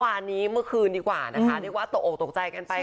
วันนี้เมื่อคืนดีกว่านะคะเรียกว่าตกออกตกใจกันไป